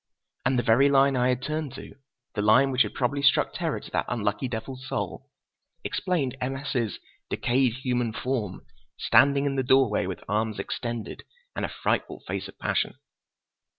And the very line I had turned to, the line which had probably struck terror to that unlucky devil's soul, explained M. S.'s "decayed human form, standing in the doorway with arms extended and a frightful face of passion!"